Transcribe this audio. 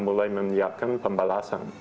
mulai menyiapkan pembalasan